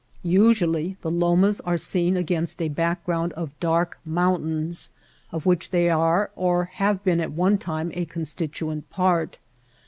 Usually the lomas are seen against a back ground of dark mountains of which they are or have been at one time a constituent part.